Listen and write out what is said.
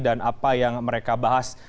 dan apa yang mereka bahas